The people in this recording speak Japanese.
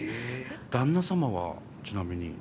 旦那様は、ちなみに。